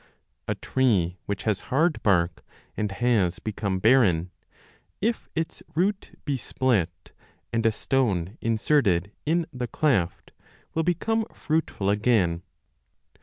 A tree which has hard bark and has become barren, if its root be split and a stone inserted in the cleft will become fruitful again.